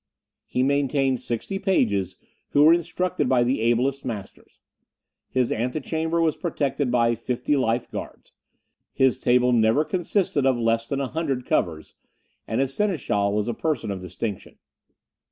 He maintained sixty pages, who were instructed by the ablest masters. His antichamber was protected by fifty life guards. His table never consisted of less than 100 covers, and his seneschal was a person of distinction.